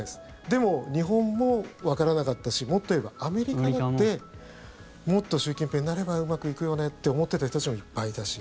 でも、日本もわからなかったしもっと言えばアメリカだってもっと習近平になればうまくいくよねって思ってた人たちもいっぱいいたし。